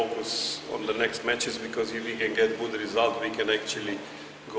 karena jika kita bisa mendapatkan hasil yang baik kita bisa berjalan lebih tinggi